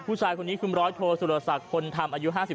ผู้ชายคนนี้คุ้มร้อยโทสุรสักคนทำอายุ๕๙